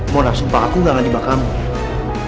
mona sumpah aku gak akan dibakar sama lo